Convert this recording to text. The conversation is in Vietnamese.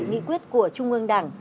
nghị quyết của trung ương đảng